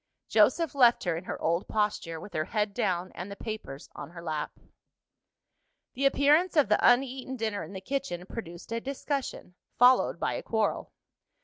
Joseph left her in her old posture, with her head down and the papers on her lap. The appearance of the uneaten dinner in the kitchen produced a discussion, followed by a quarrel.